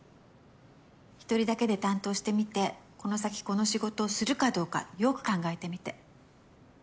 １人だけで担当してみてこの先この仕事をするかどうかよく考えてみて。